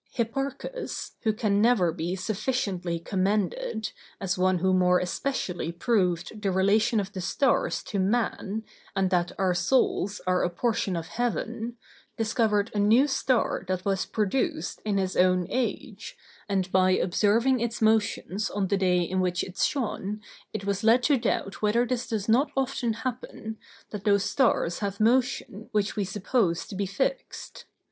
Hipparchus, who can never be sufficiently commended, as one who more especially proved the relation of the stars to man, and that our souls are a portion of heaven, discovered a new star that was produced in his own age, and, by observing its motions on the day in which it shone, he was led to doubt whether this does not often happen, that those stars have motion which we suppose to be fixed.